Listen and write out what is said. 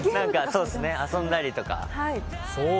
そうですね、遊んだりとか。